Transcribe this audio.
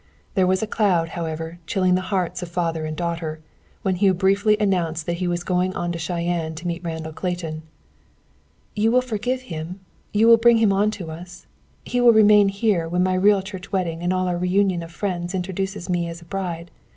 There was a cloud, however, chilling the hearts of father and daughter, when Hugh briefly announced that he was going on to Cheyenne to meet Randall Clayton. "You will forgive him; you will bring him on to us; he will remain here when my real church wedding and all our reunion of friends introduces me as a bride.